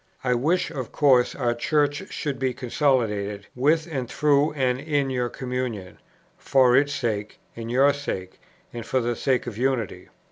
I wish of course our Church should be consolidated, with and through and in your communion, for its sake, and your sake, and for the sake of unity.